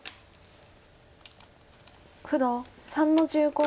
黒３の十五。